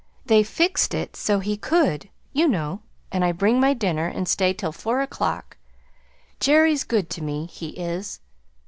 They fixed it so he could, you know; and I bring my dinner and stay till four o'clock. Jerry's good to me he is!"